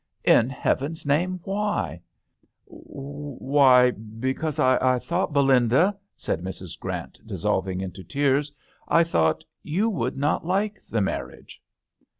" In Heaven's name, why ?" "Why, because I thought, Belinda," said Mrs, Grant, dis solving into tears, "I thought you would not like the marriage."